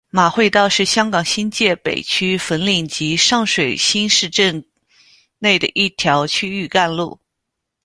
马会道是香港新界北区粉岭及上水新市镇内的一条区域干路。